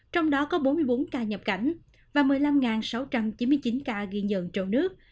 trong đó có bốn mươi bốn ca nhập cảnh và một mươi năm sáu trăm chín mươi chín ca ghi nhận trong nước